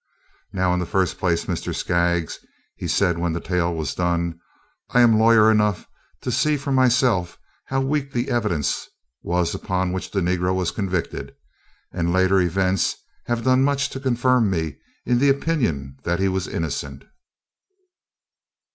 "Now, in the first place, Mr. Skaggs," he said when the tale was done, "I am lawyer enough to see for myself how weak the evidence was upon which the negro was convicted, and later events have done much to confirm me in the opinion that he was innocent."